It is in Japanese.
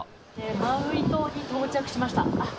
マウイ島に到着しました。